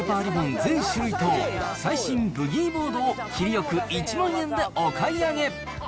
全種類と、最新ブギーボードを切りよく１万円でお買い上げ。